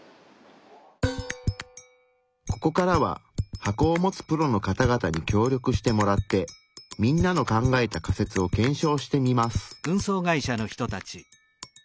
ここからは箱を持つプロの方々に協力してもらってみんなの考えた仮説を検証してみます。